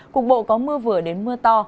cục bộ có mưa vừa đến mưa to